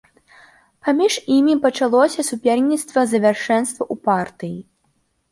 Паміж імі пачалося суперніцтва за вяршэнства ў партыі.